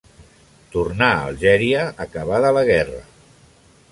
Tornà a Algèria acabada la guerra.